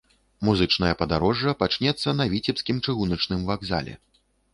Музычнае падарожжа пачнецца на віцебскім чыгуначным вакзале.